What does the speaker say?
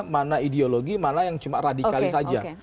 mana ideologi mana yang cuma radikalis saja